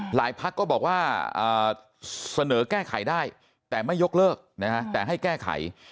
หลายภักด์ก็บอกว่าเสนอแก้ไขได้แต่ไม่ยกเลิกแต่ให้แก้ไข